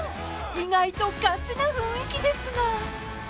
［意外とがちな雰囲気ですが］